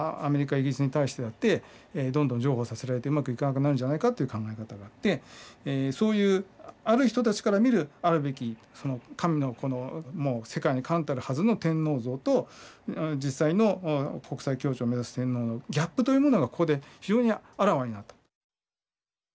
イギリスに対してだってどんどん譲歩させられてうまくいかなくなるんじゃないかという考え方があってそういうある人たちから見るあるべきその神の子のもう世界に冠たるはずの天皇像と実際の国際協調を目指す天皇のギャップというものがここで非常にあらわになった。